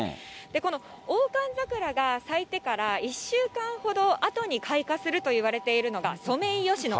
このオオカンザクラが咲いてから１週間ほどあとに開花するといわれているのが、ソメイヨシノ。